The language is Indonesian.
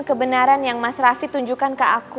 kebenaran yang mas raffi tunjukkan ke aku